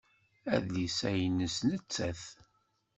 Adlis-a nnes nettat.